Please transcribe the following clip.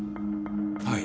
はい。